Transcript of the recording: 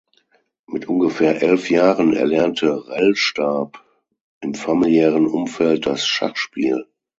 Mit ungefähr elf Jahren erlernte Rellstab im familiären Umfeld das Schachspiel.